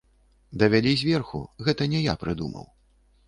Давялі зверху, гэта не я прыдумаў.